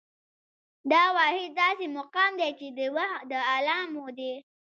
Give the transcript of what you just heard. دا واحد داسې مقام دى، چې د وخت د علامو دى